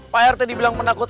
pak rt dibilang penakut